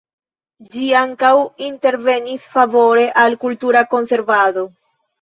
Ĝi ankaŭ intervenis favore al kultura konservado.